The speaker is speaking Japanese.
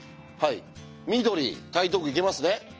緑台東区いけますね。